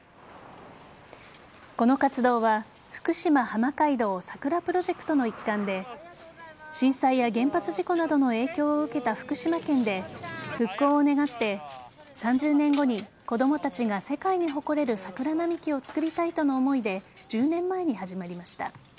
この活動はふくしま浜街道・桜プロジェクトの一環で震災や原発事故などの影響を受けた福島県で復興を願って、３０年後に子供たちが世界に誇れる桜並木を作りたいとの思いで１０年前に始まりました。